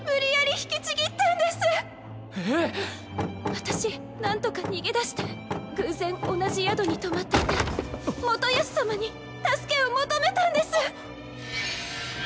私なんとか逃げ出して偶然同じ宿に泊まっていた元康様に助けを求めたんです。